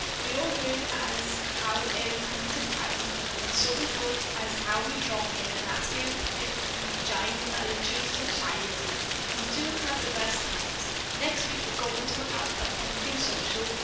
We all heard as haow yew had come to taown, and so we all thought as haow we'd drop in and ask if yew'd like to jine our Litery Saciety. We do have the best times. Next week we're a goin' to have a Pumpkin Social.